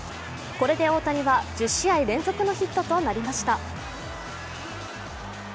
これで大谷は１０試合連続のヒットとなりました。